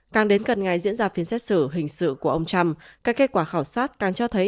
càng đến gần ngày diễn ra phiên xét xử hình sự của ông trump các kết quả khảo sát càng cho thấy